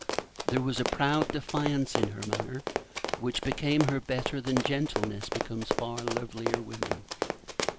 There was a proud defiance in her manner, which became her better than gentleness becomes far lovelier women.